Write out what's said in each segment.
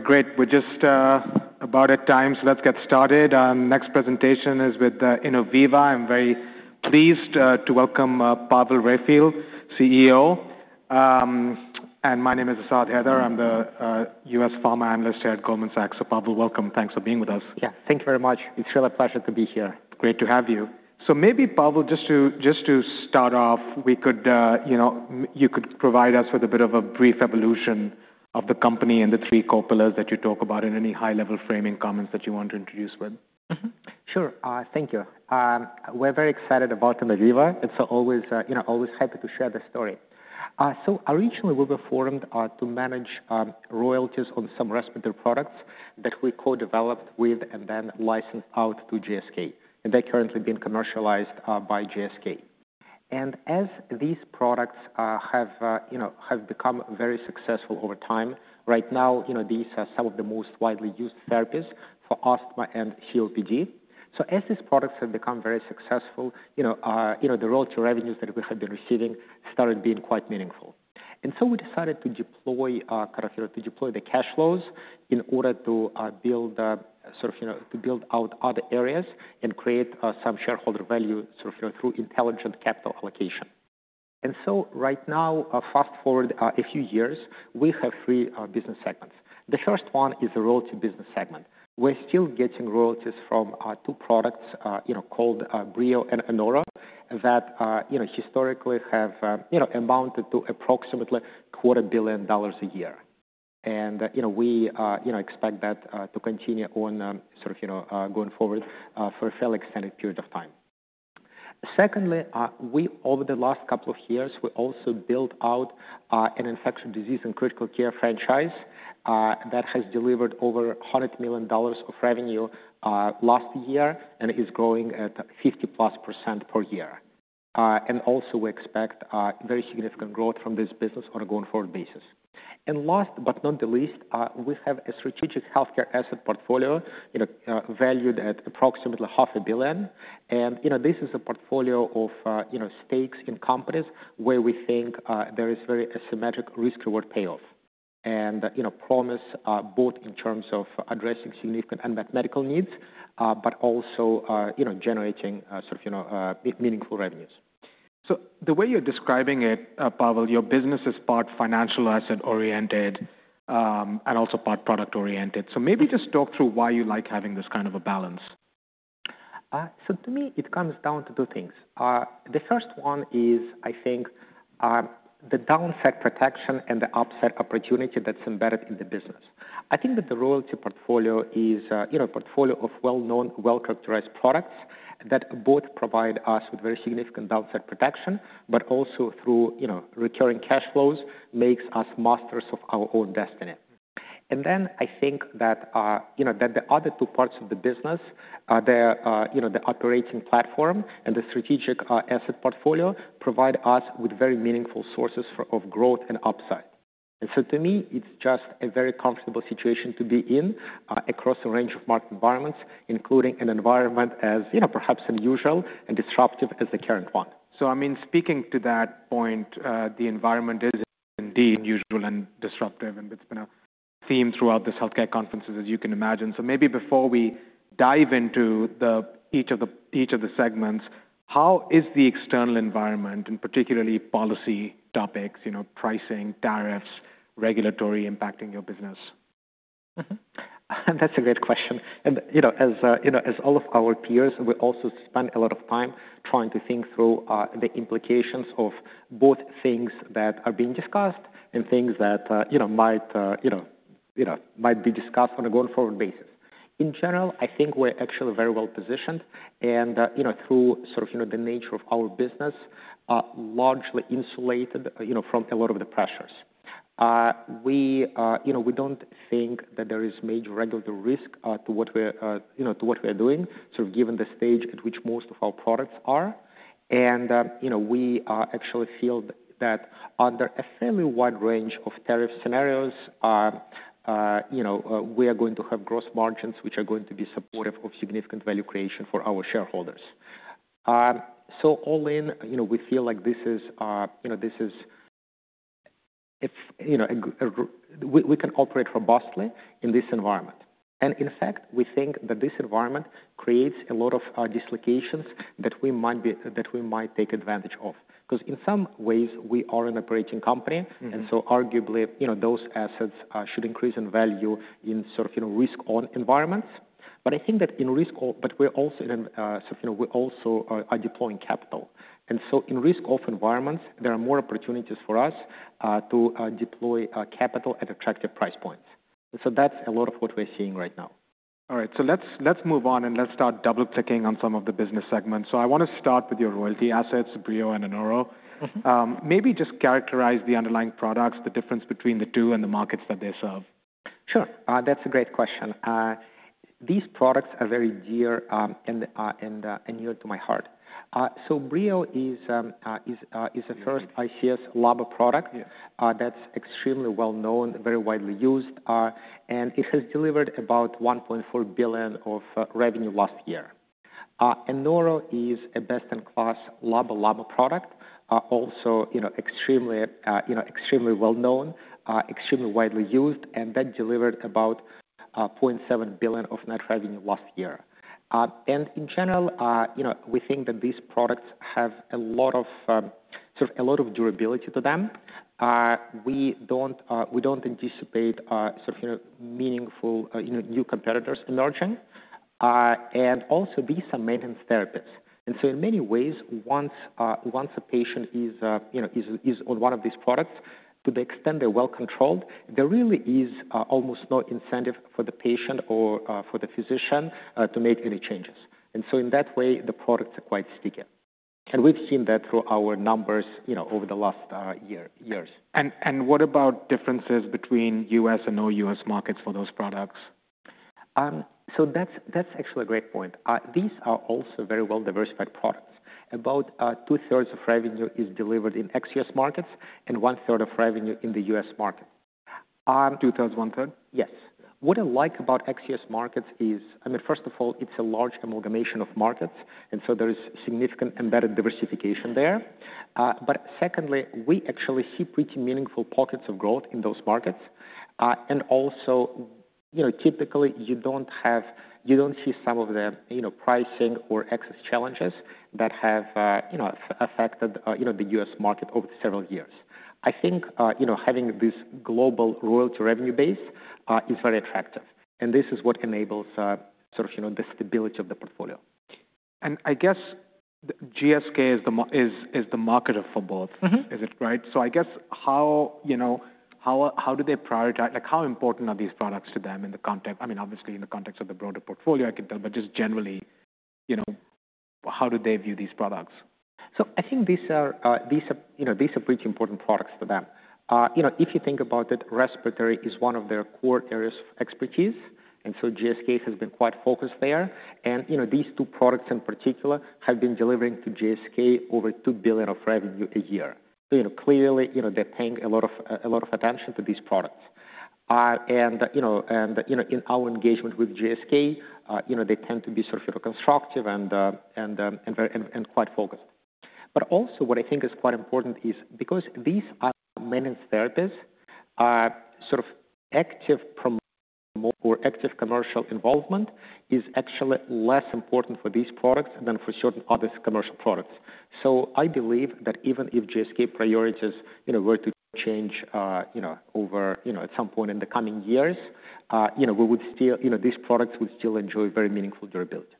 Great. We're just about at time, so let's get started. Next presentation is with Innoviva. I'm very pleased to welcome Pavel Raifeld, CEO. My name is Asad Haider. I'm the U.S. Pharma analyst here at Goldman Sachs. Pavel, welcome. Thanks for being with us. Yeah, thank you very much. It's really a pleasure to be here. Great to have you. Maybe, Pavel, just to start off, you could provide us with a bit of a brief evolution of the company and the three copilots that you talk about in any high-level framing comments that you want to introduce with. Sure. Thank you. We're very excited about Innoviva. It's always happy to share the story. Originally, we were formed to manage royalties on some respiratory products that we co-developed with and then licensed out to GSK. They're currently being commercialized by GSK. As these products have become very successful over time, right now, these are some of the most widely used therapies for asthma and COPD. As these products have become very successful, the royalty revenues that we have been receiving started being quite meaningful. We decided to deploy the cash flows in order to build out other areas and create some shareholder value through intelligent capital allocation. Right now, fast forward a few years, we have three business segments. The first one is the royalty business segment. We're still getting royalties from two products called Breo and Anoro that historically have amounted to approximately $250 million a year. We expect that to continue on going forward for a fairly extended period of time. Secondly, over the last couple of years, we also built out an infectious disease and critical care franchise that has delivered over $100 million of revenue last year and is growing at 50%+ per year. We expect very significant growth from this business on a going forward basis. Last but not the least, we have a strategic healthcare asset portfolio valued at approximately $500 million. This is a portfolio of stakes in companies where we think there is very asymmetric risk-reward payoff and promise both in terms of addressing significant unmet medical needs, but also generating meaningful revenues. The way you're describing it, Pavel, your business is part financial asset-oriented and also part product-oriented. Maybe just talk through why you like having this kind of a balance. To me, it comes down to two things. The first one is, I think, the downside protection and the upside opportunity that's embedded in the business. I think that the royalty portfolio is a portfolio of well-known, well-characterized products that both provide us with very significant downside protection, but also through recurring cash flows makes us masters of our own destiny. I think that the other two parts of the business, the operating platform and the strategic asset portfolio, provide us with very meaningful sources of growth and upside. To me, it's just a very comfortable situation to be in across a range of market environments, including an environment as perhaps unusual and disruptive as the current one. I mean, speaking to that point, the environment is indeed unusual and disruptive, and it's been a theme throughout the healthcare conferences, as you can imagine. Maybe before we dive into each of the segments, how is the external environment, and particularly policy topics, pricing, tariffs, regulatory impacting your business? That's a great question. As all of our peers, we also spend a lot of time trying to think through the implications of both things that are being discussed and things that might be discussed on a going forward basis. In general, I think we're actually very well positioned. Through the nature of our business, largely insulated from a lot of the pressures. We don't think that there is major regulatory risk to what we are doing, given the stage at which most of our products are. We actually feel that under a fairly wide range of tariff scenarios, we are going to have gross margins which are going to be supportive of significant value creation for our shareholders. All in, we feel like we can operate robustly in this environment. In fact, we think that this environment creates a lot of dislocations that we might take advantage of. Because in some ways, we are an operating company. Arguably, those assets should increase in value in risk-on environments. I think that in risk-on we also are deploying capital. In risk-off environments, there are more opportunities for us to deploy capital at attractive price points. That is a lot of what we are seeing right now. All right. Let's move on and let's start double-clicking on some of the business segments. I want to start with your royalty assets, Breo and Anoro. Maybe just characterize the underlying products, the difference between the two, and the markets that they serve. Sure. That's a great question. These products are very dear and near to my heart. So Breo is a first ICS/LABA product that's extremely well-known, very widely used. And it has delivered about $1.4 billion of revenue last year. Anoro is a best-in-class LABA/LAMA product, also extremely well-known, extremely widely used, and that delivered about $0.7 billion of net revenue last year. In general, we think that these products have a lot of durability to them. We do not anticipate meaningful new competitors emerging. Also, these are maintenance therapies. In many ways, once a patient is on one of these products, to the extent they're well controlled, there really is almost no incentive for the patient or for the physician to make any changes. In that way, the products are quite sticky. We've seen that through our numbers over the last years. What about differences between U.S. and non-U.S. markets for those products? That's actually a great point. These are also very well-diversified products. About two-thirds of revenue is delivered in ex-U.S. markets and one-third of revenue in the U.S. market. Two-thirds, one-third? Yes. What I like about ex-U.S. markets is, I mean, first of all, it's a large amalgamation of markets. There is significant embedded diversification there. Secondly, we actually see pretty meaningful pockets of growth in those markets. Also, typically, you don't see some of the pricing or access challenges that have affected the U.S. market over several years. I think having this global royalty revenue base is very attractive. This is what enables the stability of the portfolio. GSK is the marketer for both, right? I guess how do they prioritize? How important are these products to them in the context? I mean, obviously, in the context of the broader portfolio, I can tell. But just generally, how do they view these products? I think these are pretty important products for them. If you think about it, respiratory is one of their core areas of expertise. GSK has been quite focused there. These two products in particular have been delivering to GSK over $2 billion of revenue a year. Clearly, they're paying a lot of attention to these products. In our engagement with GSK, they tend to be constructive and quite focused. What I think is quite important is because these are maintenance therapies, active promotion or active commercial involvement is actually less important for these products than for certain other commercial products. I believe that even if GSK priorities were to change over at some point in the coming years, these products would still enjoy very meaningful durability.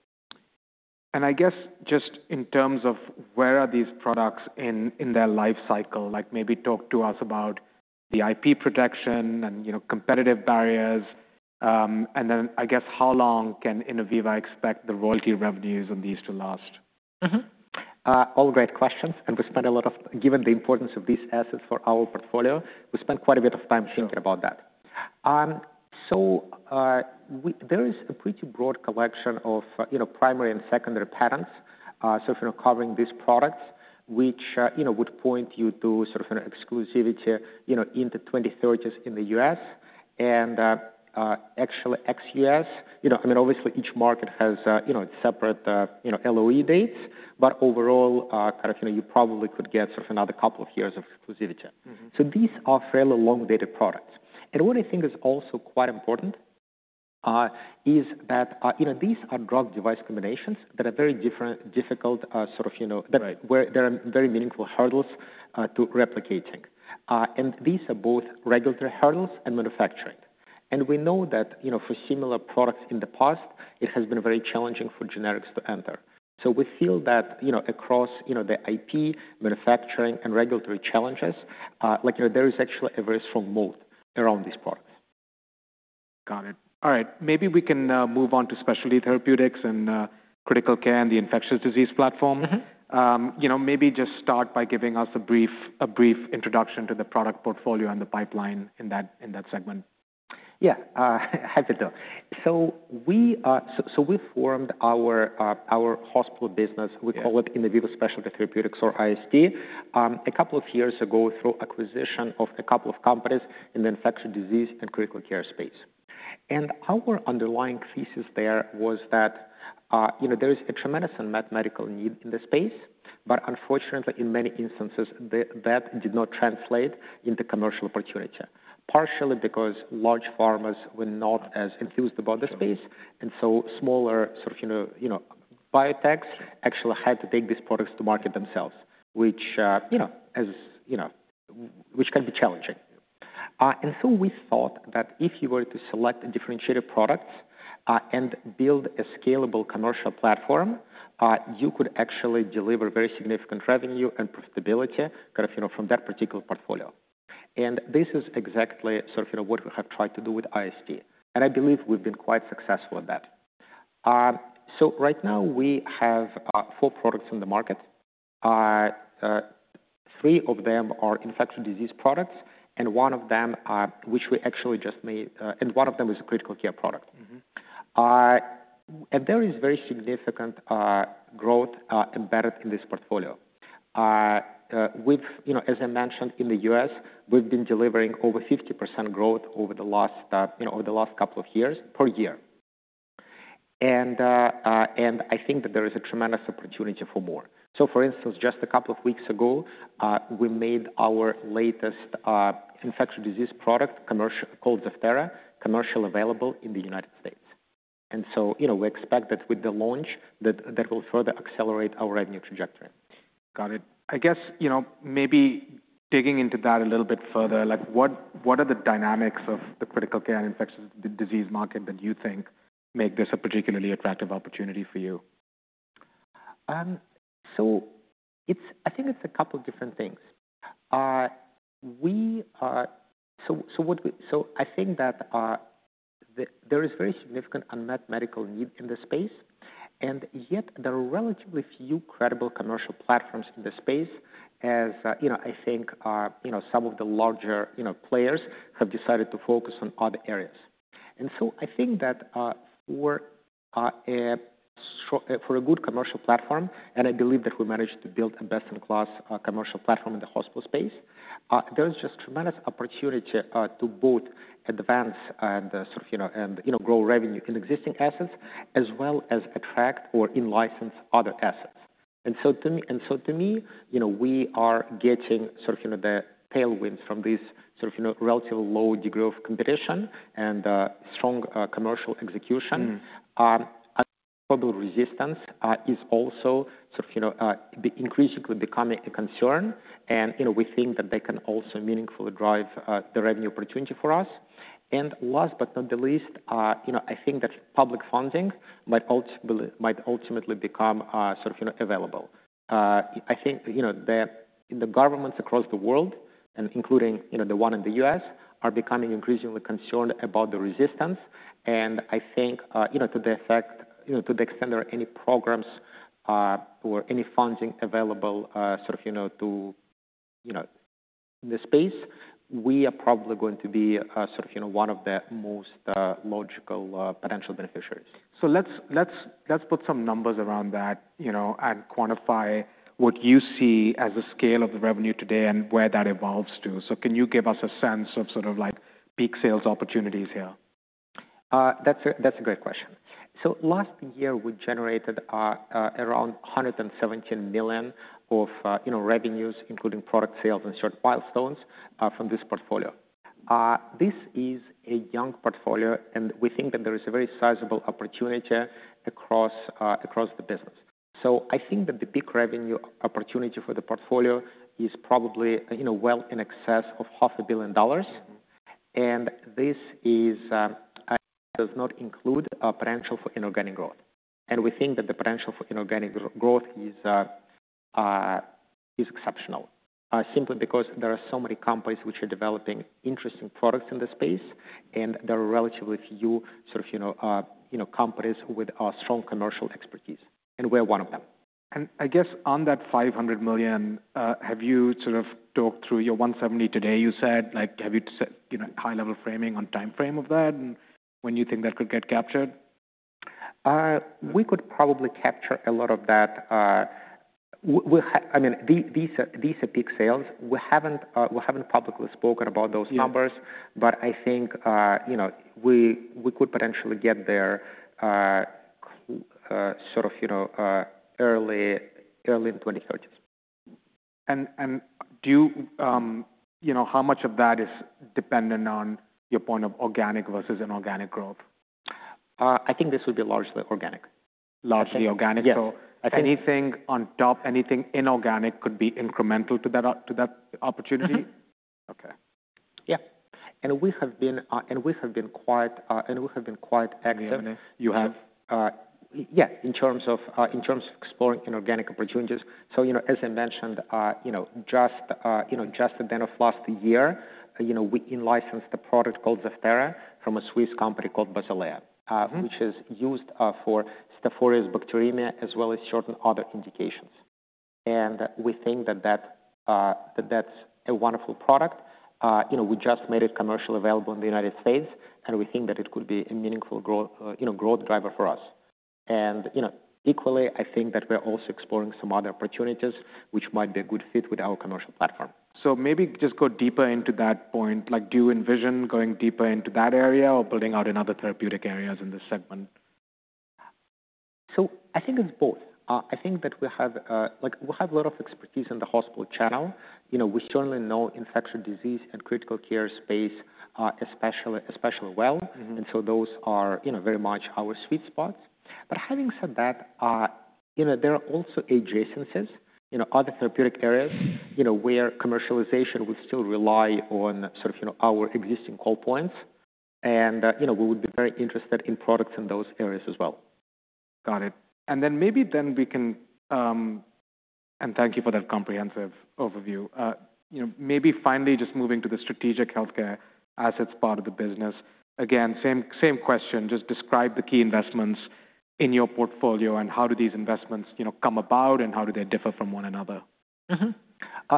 I guess just in terms of where are these products in their life cycle, maybe talk to us about the IP protection and competitive barriers. I guess how long can Innoviva expect the royalty revenues on these to last? All great questions. We spend a lot of, given the importance of these assets for our portfolio, we spend quite a bit of time thinking about that. There is a pretty broad collection of primary and secondary patents covering these products, which would point you to exclusivity into the 2030s in the U.S. and actually ex-U.S. I mean, obviously, each market has separate LOE dates. Overall, you probably could get another couple of years of exclusivity. These are fairly long-dated products. What I think is also quite important is that these are drug-device combinations that are very difficult, where there are very meaningful hurdles to replicating. These are both regulatory hurdles and manufacturing. We know that for similar products in the past, it has been very challenging for generics to enter. We feel that across the IP, manufacturing, and regulatory challenges, there is actually a very strong moat around these products. Got it. All right. Maybe we can move on to specialty therapeutics and critical care and the infectious disease platform. Maybe just start by giving us a brief introduction to the product portfolio and the pipeline in that segment. Yeah, happy to. We formed our hospital business, we call it Innoviva Specialty Therapeutics, or IST, a couple of years ago through acquisition of a couple of companies in the infectious disease and critical care space. Our underlying thesis there was that there is a tremendous unmet medical need in the space. Unfortunately, in many instances, that did not translate into commercial opportunity, partially because large pharma were not as enthused about the space. Smaller biotechs actually had to take these products to market themselves, which can be challenging. We thought that if you were to select differentiated products and build a scalable commercial platform, you could actually deliver very significant revenue and profitability from that particular portfolio. This is exactly what we have tried to do with IST. I believe we've been quite successful at that. Right now, we have four products on the market. Three of them are infectious disease products, and one of them is a critical care product. There is very significant growth embedded in this portfolio. As I mentioned, in the U.S., we've been delivering over 50% growth over the last couple of years per year. I think that there is a tremendous opportunity for more. For instance, just a couple of weeks ago, we made our latest infectious disease product called Zevtera commercially available in the United States. We expect that with the launch, that will further accelerate our revenue trajectory. Got it. I guess maybe digging into that a little bit further, what are the dynamics of the critical care and infectious disease market that you think make this a particularly attractive opportunity for you? I think it's a couple of different things. I think that there is very significant unmet medical need in the space. Yet, there are relatively few credible commercial platforms in the space, as I think some of the larger players have decided to focus on other areas. I think that for a good commercial platform, and I believe that we managed to build a best-in-class commercial platform in the hospital space, there is just tremendous opportunity to both advance and grow revenue in existing assets as well as attract or in-license other assets. To me, we are getting the tailwinds from this relatively low degree of competition and strong commercial execution. Resistance is also increasingly becoming a concern. We think that they can also meaningfully drive the revenue opportunity for us. Last but not the least, I think that public funding might ultimately become available. I think that the governments across the world, including the one in the U.S., are becoming increasingly concerned about the resistance. I think to the extent there are any programs or any funding available to the space, we are probably going to be one of the most logical potential beneficiaries. Let's put some numbers around that and quantify what you see as a scale of the revenue today and where that evolves to. Can you give us a sense of peak sales opportunities here? That's a great question. Last year, we generated around $117 million of revenues, including product sales and short milestones from this portfolio. This is a young portfolio. We think that there is a very sizable opportunity across the business. I think that the peak revenue opportunity for the portfolio is probably well in excess of $500 million. This does not include potential for inorganic growth. We think that the potential for inorganic growth is exceptional simply because there are so many companies which are developing interesting products in the space. There are relatively few companies with strong commercial expertise. We are one of them. I guess on that $500 million, have you talked through your $170 million today? You said have you set high-level framing on timeframe of that and when you think that could get captured? We could probably capture a lot of that. I mean, these are peak sales. We have not publicly spoken about those numbers. I think we could potentially get there early in the 2030s. How much of that is dependent on your point of organic versus inorganic growth? I think this would be largely organic. Largely organic. Anything on top, anything inorganic could be incremental to that opportunity? Yeah. We have been quite active. You have? Yeah, in terms of exploring inorganic opportunities. As I mentioned, just at the end of last year, we in-licensed a product called Zevtera from a Swiss company called Basilea, which is used for Staph aureus bacteremia as well as certain other indications. We think that that's a wonderful product. We just made it commercially available in the United States. We think that it could be a meaningful growth driver for us. Equally, I think that we're also exploring some other opportunities which might be a good fit with our commercial platform. Maybe just go deeper into that point. Do you envision going deeper into that area or building out in other therapeutic areas in this segment? I think it's both. I think that we have a lot of expertise in the hospital channel. We certainly know infectious disease and critical care space especially well. Those are very much our sweet spots. Having said that, there are also adjacencies, other therapeutic areas where commercialization would still rely on our existing call points. We would be very interested in products in those areas as well. Got it. And then maybe we can, and thank you for that comprehensive overview, maybe finally just moving to the strategic healthcare assets part of the business. Again, same question. Just describe the key investments in your portfolio and how do these investments come about and how do they differ from one another?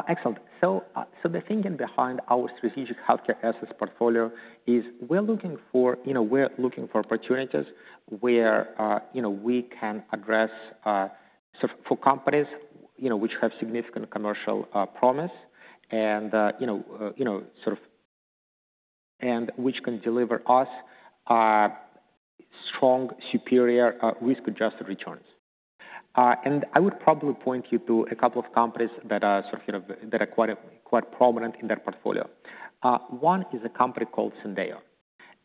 Excellent. The thinking behind our strategic healthcare assets portfolio is we're looking for opportunities where we can address for companies which have significant commercial promise and which can deliver us strong, superior risk-adjusted returns. I would probably point you to a couple of companies that are quite prominent in their portfolio. One is a company called Syndeo.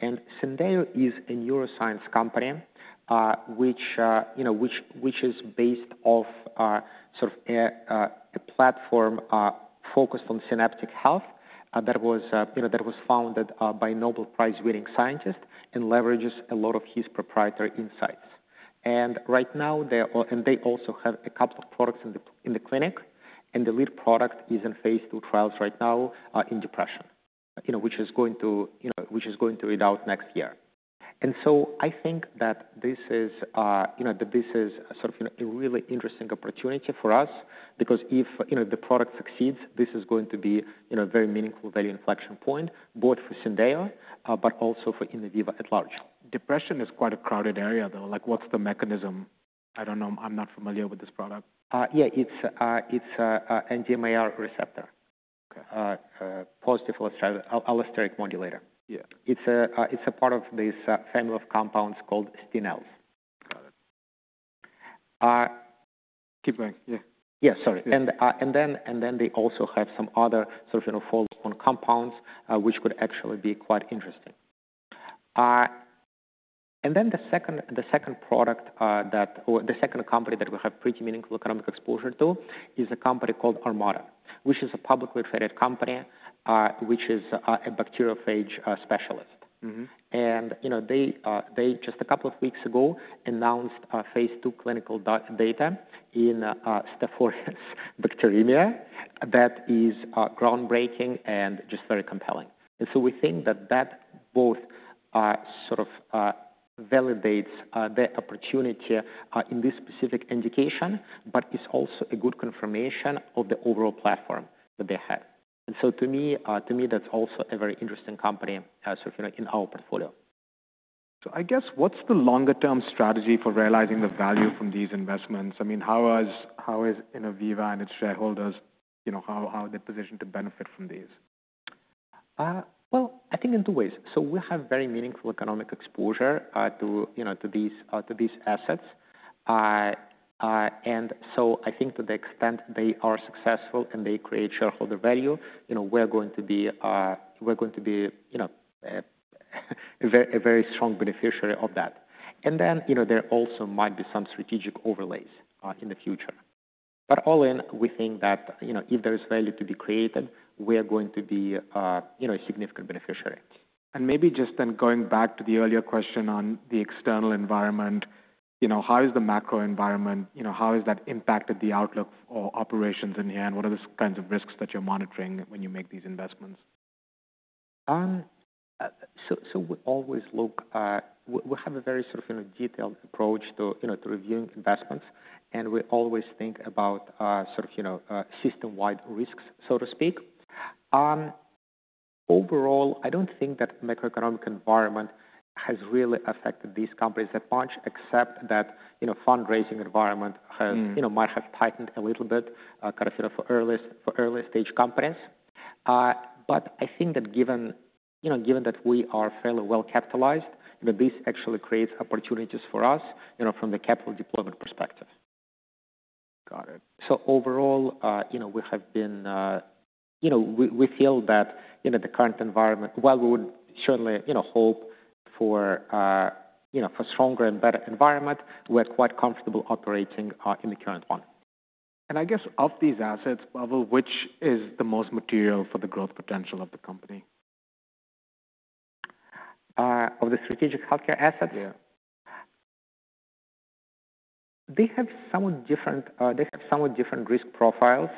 Syndeo is a neuroscience company which is based off a platform focused on synaptic health that was founded by a Nobel Prize-winning scientist and leverages a lot of his proprietary insights. Right now, they also have a couple of products in the clinic. The lead product is in phase II trials right now in depression, which is going to read out next year. I think that this is a really interesting opportunity for us because if the product succeeds, this is going to be a very meaningful value inflection point both for Syndeo but also for Innoviva at large. Depression is quite a crowded area, though. What's the mechanism? I don't know. I'm not familiar with this product. Yeah, it's an [Antimioc] receptor positive allosteric modulator. It's a part of this family of compounds called stenels. Got it. Keep going. Yeah. Yeah, sorry. They also have some other follow-on compounds which could actually be quite interesting. The second product or the second company that we have pretty meaningful economic exposure to is a company called Armata, which is a publicly traded company which is a bacteriophage specialist. They just a couple of weeks ago announced phase two clinical data in Staph aureus bacteremia that is groundbreaking and just very compelling. We think that that both validates the opportunity in this specific indication, but it's also a good confirmation of the overall platform that they had. To me, that's also a very interesting company in our portfolio. I guess what's the longer-term strategy for realizing the value from these investments? I mean, how is Innoviva and its shareholders? How are they positioned to benefit from these? I think in two ways. We have very meaningful economic exposure to these assets. I think to the extent they are successful and they create shareholder value, we are going to be a very strong beneficiary of that. There also might be some strategic overlays in the future. All in, we think that if there is value to be created, we are going to be a significant beneficiary. Maybe just then going back to the earlier question on the external environment, how is the macro environment? How has that impacted the outlook or operations in here? What are the kinds of risks that you're monitoring when you make these investments? We always look at we have a very detailed approach to reviewing investments. And we always think about system-wide risks, so to speak. Overall, I do not think that the macroeconomic environment has really affected these companies that much, except that the fundraising environment might have tightened a little bit for early-stage companies. I think that given that we are fairly well capitalized, this actually creates opportunities for us from the capital deployment perspective. Got it. Overall, we feel that the current environment, while we would certainly hope for a stronger and better environment, we're quite comfortable operating in the current one. I guess of these assets, Pavel, which is the most material for the growth potential of the company? Of the strategic healthcare assets? Yeah. They have somewhat different risk profiles.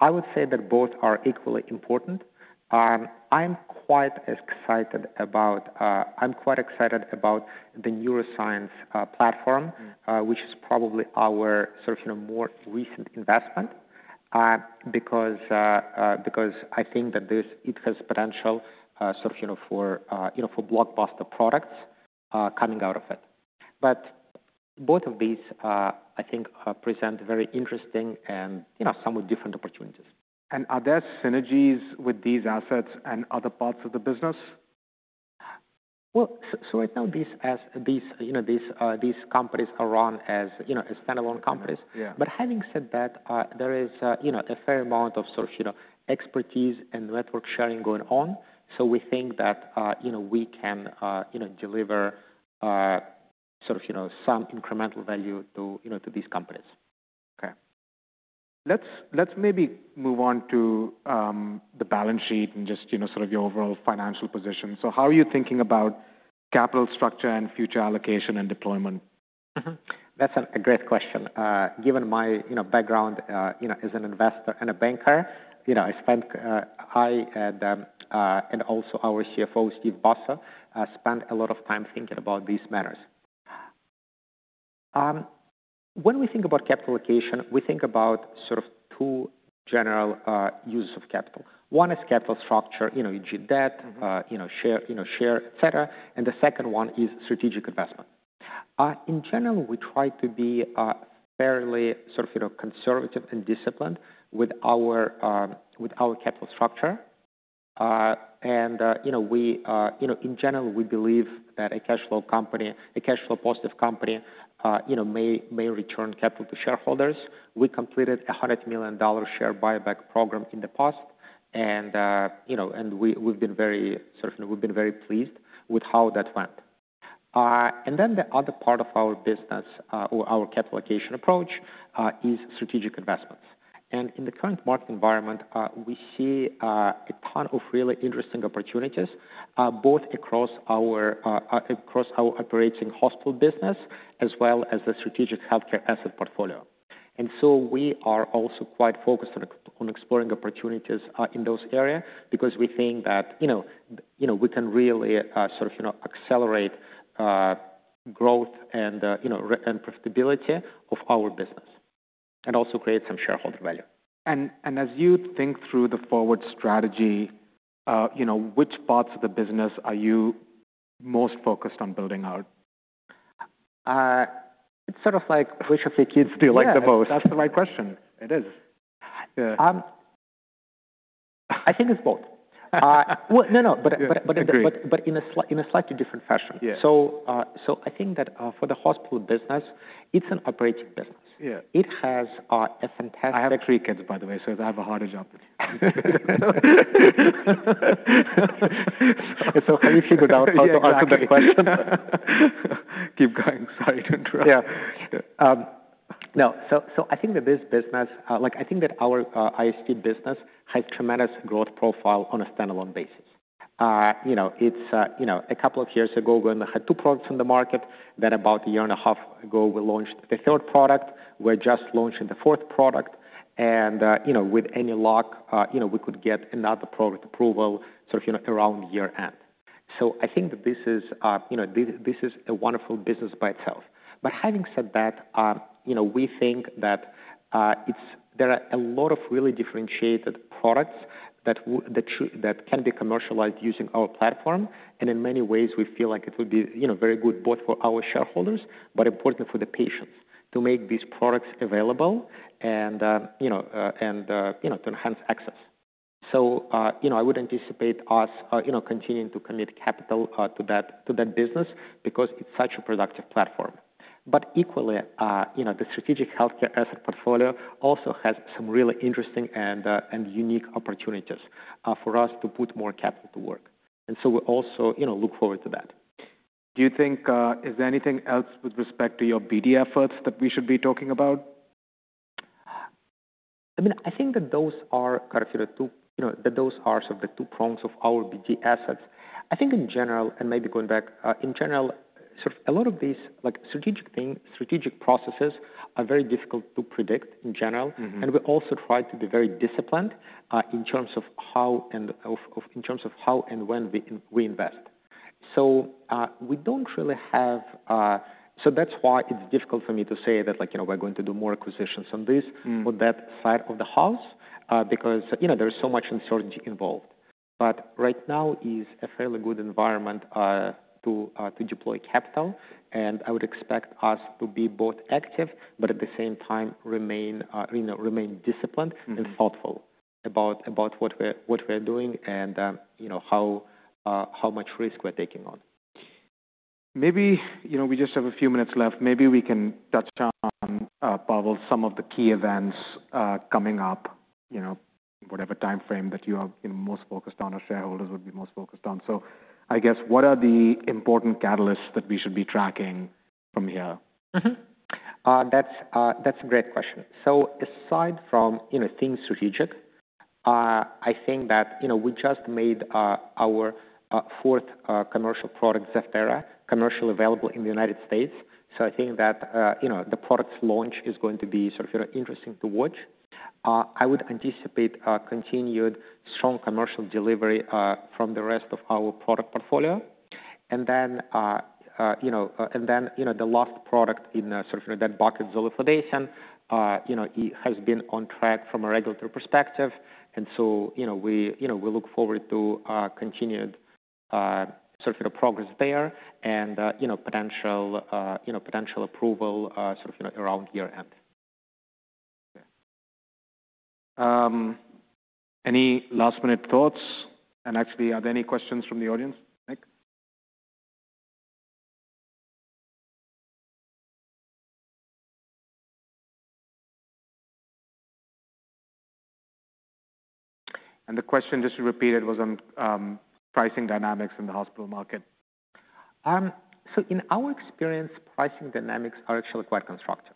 I would say that both are equally important. I'm quite excited about the neuroscience platform, which is probably our more recent investment because I think that it has potential for blockbuster products coming out of it. Both of these, I think, present very interesting and somewhat different opportunities. Are there synergies with these assets and other parts of the business? Right now, these companies are run as standalone companies. However, having said that, there is a fair amount of expertise and network sharing going on. We think that we can deliver some incremental value to these companies. Okay. Let's maybe move on to the balance sheet and just your overall financial position. How are you thinking about capital structure and future allocation and deployment? That's a great question. Given my background as an investor and a banker, I spent, I and also our CFO, Steve Basso, spent a lot of time thinking about these matters. When we think about capital allocation, we think about two general uses of capital. One is capital structure, you debit, share, et cetera. The second one is strategic investment. In general, we try to be fairly conservative and disciplined with our capital structure. In general, we believe that a cash flow positive company may return capital to shareholders. We completed a $100 million share buyback program in the past. We've been very pleased with how that went. The other part of our business or our capital allocation approach is strategic investments. In the current market environment, we see a ton of really interesting opportunities both across our operating hospital business as well as the strategic healthcare asset portfolio. We are also quite focused on exploring opportunities in those areas because we think that we can really accelerate growth and profitability of our business and also create some shareholder value. As you think through the forward strategy, which parts of the business are you most focused on building out? It's sort of like which of your kids do you like the most? That's the right question. It is. I think it's both. No, no. In a slightly different fashion. I think that for the hospital business, it's an operating business. It has a fantastic. I have three kids, by the way, so I have a harder job. If you could answer that question. Keep going. Sorry to interrupt. Yeah. No. I think that this business, I think that our ISP business has tremendous growth profile on a standalone basis. A couple of years ago, we only had two products on the market. Then about a year and a half ago, we launched the third product. We're just launching the fourth product. With any luck, we could get another product approval around year end. I think that this is a wonderful business by itself. Having said that, we think that there are a lot of really differentiated products that can be commercialized using our platform. In many ways, we feel like it would be very good both for our shareholders but important for the patients to make these products available and to enhance access. I would anticipate us continuing to commit capital to that business because it's such a productive platform. Equally, the strategic healthcare asset portfolio also has some really interesting and unique opportunities for us to put more capital to work. We also look forward to that. Do you think is there anything else with respect to your BD assets that we should be talking about? I mean, I think that those are the two prongs of our BD assets. I think in general, and maybe going back, in general, a lot of these strategic processes are very difficult to predict in general. We also try to be very disciplined in terms of how and when we invest. We do not really have, so that is why it is difficult for me to say that we are going to do more acquisitions on this or that side of the house because there is so much uncertainty involved. Right now is a fairly good environment to deploy capital. I would expect us to be both active but at the same time remain disciplined and thoughtful about what we are doing and how much risk we are taking on. Maybe we just have a few minutes left. Maybe we can touch on, Pavel, some of the key events coming up, whatever time frame that you are most focused on or shareholders would be most focused on. I guess what are the important catalysts that we should be tracking from here? That's a great question. Aside from things strategic, I think that we just made our fourth commercial product, Zevtera, commercially available in the United States. I think that the product's launch is going to be interesting to watch. I would anticipate continued strong commercial delivery from the rest of our product portfolio. The last product in that bucket, zoliflodacin, has been on track from a regulatory perspective. We look forward to continued progress there and potential approval around year end. Any last-minute thoughts? Are there any questions from the audience? Nick? The question just repeated was on pricing dynamics in the hospital market. In our experience, pricing dynamics are actually quite constructive.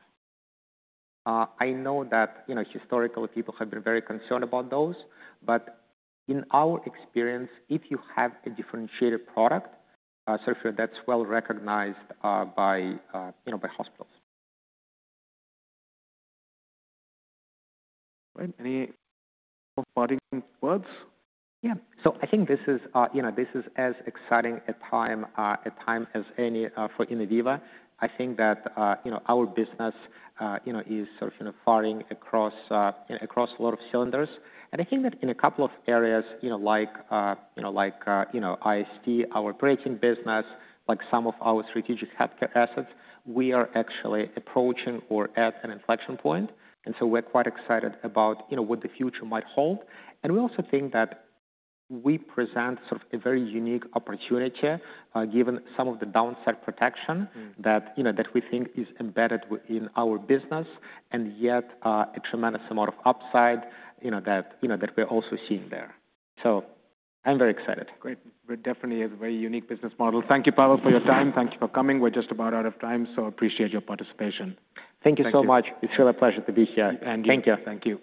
I know that historically, people have been very concerned about those. In our experience, if you have a differentiated product, that's well recognized by hospitals. Any parting words? Yeah. I think this is as exciting a time as any for Innoviva. I think that our business is firing across a lot of cylinders. I think that in a couple of areas like ISP, our operating business, like some of our strategic healthcare assets, we are actually approaching or at an inflection point. We are quite excited about what the future might hold. We also think that we present a very unique opportunity given some of the downside protection that we think is embedded in our business and yet a tremendous amount of upside that we are also seeing there. I am very excited. Great. It definitely is a very unique business model. Thank you, Pavel, for your time. Thank you for coming. We're just about out of time, so appreciate your participation. Thank you so much. It's really a pleasure to be here. Thank you. Thank you.